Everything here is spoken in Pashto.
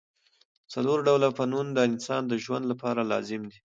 څلور ډوله فنون د انسان د ژوند له پاره لازم دي.